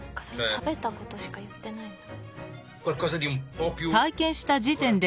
食べたことしか言ってないんだ。